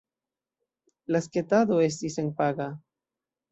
La sketado estis senpaga.